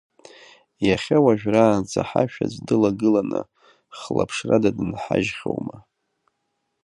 Иахьа уажәраанӡа ҳашә аӡә дылагыланы хлаԥшрада дынҳажьхьоума?